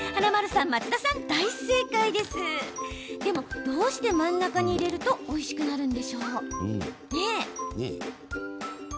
でも、どうして真ん中に入れるとおいしくなるの？